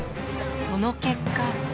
その結果。